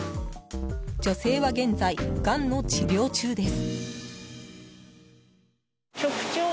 女性は現在、がんの治療中です。